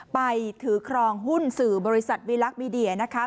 ไปถือครองหุ้นสื่อบริษัทวิลักษณ์มีเดียนะคะ